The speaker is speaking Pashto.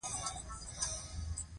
موزیک د سکون احساس راولي.